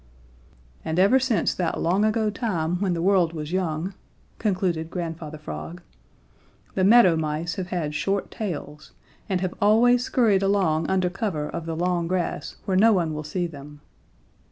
And ever since that long ago time when the world was young," concluded Grandfather Frog, "the Meadow Mice have had short tails and have always scurried along under cover of the long grass where no one will see them.